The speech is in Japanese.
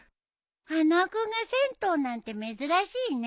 花輪君が銭湯なんて珍しいね。